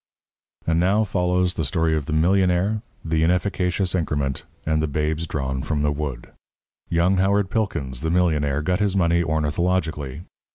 And now follows the Story of the Millionaire, the Inefficacious Increment, and the Babes Drawn from the Wood. Young Howard Pilkins, the millionaire, got his money ornithologically.